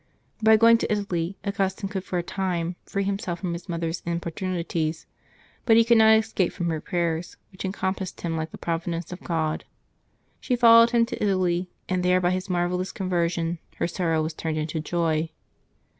By going to Italy, Augustine could for a time free himself from his mother's importunities; but he could not escape from her prayers, which encompassed him like the providence of God. She followed him to Italy, and there by his marvel lous conversion her sorrow was turned into joy.